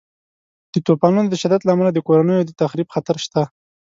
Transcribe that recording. د طوفانونو د شدت له امله د کورنیو د تخریب خطر شته.